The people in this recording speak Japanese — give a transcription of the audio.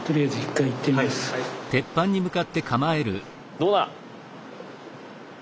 どうだ！